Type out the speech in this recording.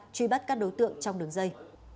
truy bắt các đối tượng trong đường dây